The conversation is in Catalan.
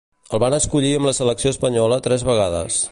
El van escollir amb la selecció espanyola tres vegades.